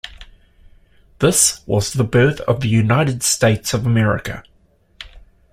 This was the birth of the United States of America.